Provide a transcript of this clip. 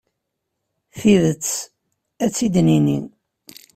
Tidet, ad tt-id-nini.